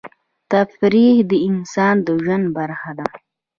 تفریح د انسان د ژوند برخه ده.